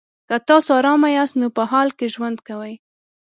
که تاسو ارامه یاست نو په حال کې ژوند کوئ.